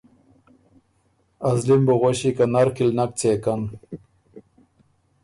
ازلی م بُو غؤݭی که نر کی ل نک څېکن